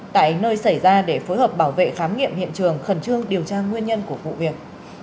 tại nơi xảy ra để phối hợp bảo vệ khám nghiệm hiện trường khẩn trương điều tra nguyên nhân của vụ việc